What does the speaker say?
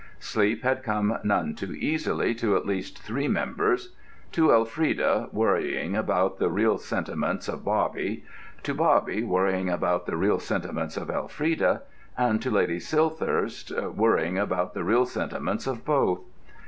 Sleep had come none too easily to at least three members,—to Elfrida worrying about the real sentiments of Bobby, to Bobby worrying about the real sentiments of Elfrida, and to Lady Silthirsk worrying about the real sentiments of both.